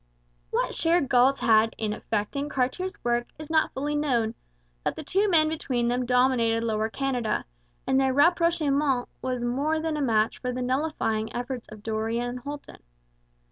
What share Galt had in affecting Cartier's course is not fully known, but the two men between them dominated Lower Canada, and their rapprochement was more than a match for the nullifying efforts of Dorion and Holton.